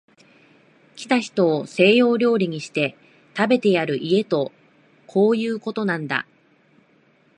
来た人を西洋料理にして、食べてやる家とこういうことなんだ